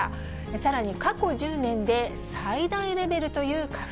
さらに過去１０年で最大レベルという花粉。